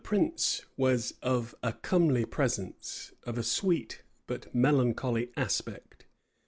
This prince was of a comely presence; of a sweet, but melancholy aspect.